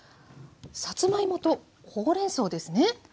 さつまいもとほうれんそうですね。